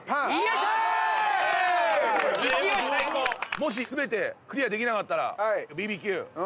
もし全てクリアできなかったら。